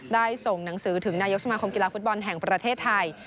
ได้ส่งหนังสือถึงนายกสมาคมกีฬาฟุตบอลแห่งประเทศไทย